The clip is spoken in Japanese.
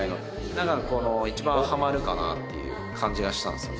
何か一番はまるかなっていう感じがしたんですよ。